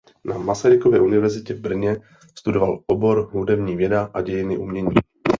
Na Masarykově univerzitě v Brně studoval obor hudební věda a dějiny umění.